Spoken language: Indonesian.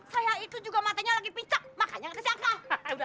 saya itu juga matanya lagi picok makanya ngetes si akang